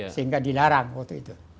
sehingga dilarang waktu itu